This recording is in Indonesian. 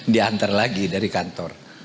diantar lagi dari kantor